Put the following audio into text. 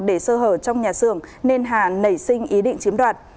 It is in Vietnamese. để sơ hở trong nhà xưởng nên hà nảy sinh ý định chiếm đoạt